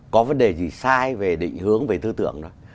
có vấn đề gì sai về định hướng về thư tưởng rồi